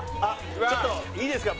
ちょっといいですか？